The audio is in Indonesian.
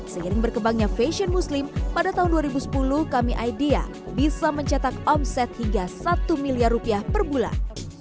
seiring berkembangnya fashion muslim pada tahun dua ribu sepuluh kami idea bisa mencetak omset hingga satu miliar rupiah per bulan